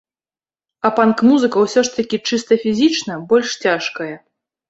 А панк-музыка ўсё ж такі чыста фізічна больш цяжкая.